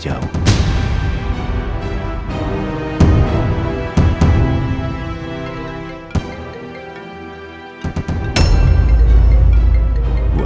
saya tidak pergi jauh